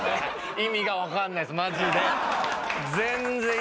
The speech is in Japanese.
意味がわかんないですマジで。